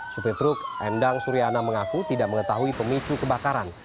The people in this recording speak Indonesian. supir truk endang suryana mengaku tidak mengetahui pemicu kebakaran